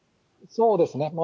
そうですね。